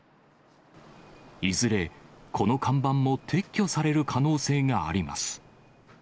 いずれ、この看板も撤去される可能性があります。